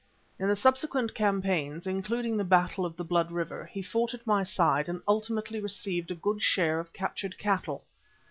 In the subsequent campaigns, including the Battle of the Blood River, he fought at my side and ultimately received a good share of captured cattle.